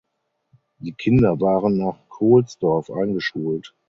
Die Kinder waren nach Kohlsdorf eingeschult.